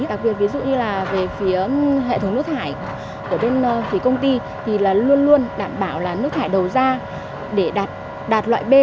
đặc biệt ví dụ như là về phía hệ thống nước thải của bên phía công ty thì là luôn luôn đảm bảo là nước thải đầu ra để đạt loại b